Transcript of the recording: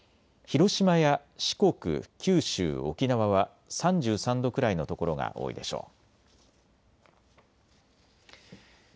広島や四国、九州、沖縄は３３度くらいの所が多いでしょう。